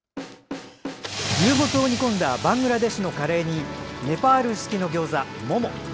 牛モツを煮込んだバングラデシュのカレーにネパール式のギョーザ、モモ。